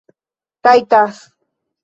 rajtas